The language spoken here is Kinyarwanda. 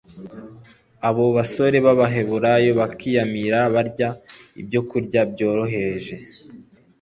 abo basore b'abaheburayo bakayimara barya ibyokurya byoroheje